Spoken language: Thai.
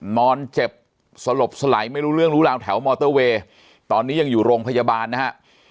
นอนเจ็บสลบสลายไม่รู้เรื่องรู้ราวแถวมอเตอร์เวย์ตอนนี้ยังอยู่โรงพยาบาลนะฮะ